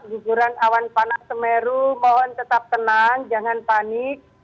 juburan awan panas sumeru mohon tetap tenang jangan panik